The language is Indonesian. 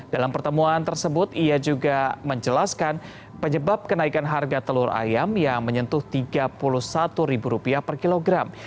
dalam pertemuan tersebut ia juga menjelaskan penyebab kenaikan harga telur ayam yang menyentuh rp tiga puluh satu per kilogram